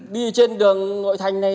đi trên đường nội thành này